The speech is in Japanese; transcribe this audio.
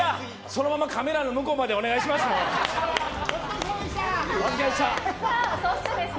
そのままカメラの向こうまでお願いします。